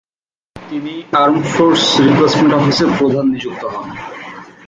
তিনি armed force replacement অফিসের প্রধান নিযুক্ত হন।